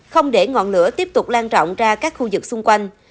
không để ngọn lửa tiếp tục lan trọng ra các khu vực xung quanh